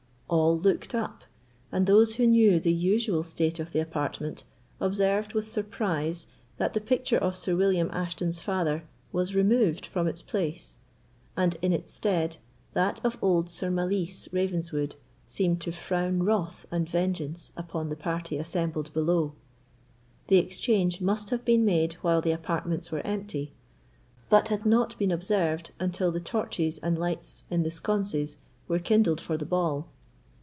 All looked up, and those who knew the usual state of the apartment observed, with surprise, that the picture of Sir William Ashton's father was removed from its place, and in its stead that of old Sir Malise Ravenswood seemed to frown wrath and vengeance upon the party assembled below. The exchange must have been made while the apartments were empty, but had not been observed until the torches and lights in the sconces were kindled for the ball.